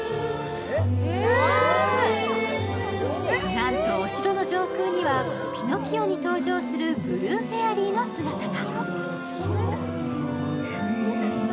なんと、お城の上空には「ピノキオ」に登場するブルー・フェアリーの姿が。